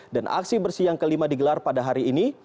dan aksi bersih yang kelima digelar pada hari ini